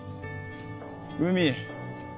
海！